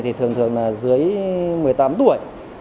thì thường thường là dưới một mươi tám tuổi